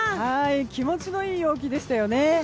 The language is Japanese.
気持ちのいい陽気でしたよね。